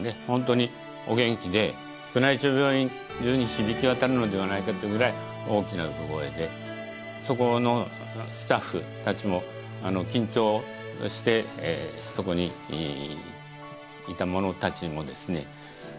ホントにお元気で宮内庁病院中に響き渡るのではないかというくらい大きな産声でそこのスタッフたちも緊張してそこにいた者たちもですね